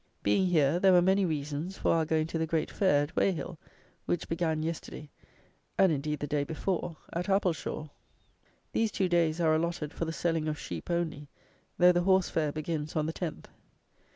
Being here, there were many reasons for our going to the great fair at Weyhill, which began yesterday, and, indeed, the day before, at Appleshaw. These two days are allotted for the selling of sheep only, though the horse fair begins on the 10th.